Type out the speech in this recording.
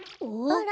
あら？